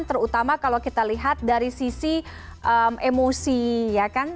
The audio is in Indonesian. terutama kalau kita lihat dari sisi emosi ya kan